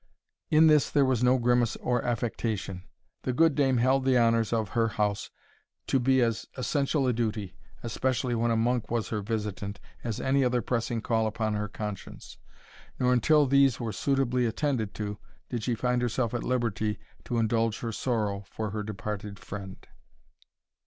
In this there was no grimace or affectation. The good dame held the honours of her house to be as essential a duty, especially when a monk was her visitant, as any other pressing call upon her conscience; nor until these were suitably attended to did she find herself at liberty to indulge her sorrow for her departed friend.